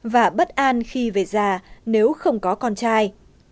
và bất an khi về già nếu không có con trai